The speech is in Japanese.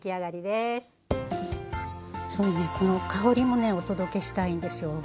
すごいねこの香りもねお届けしたいんですよ。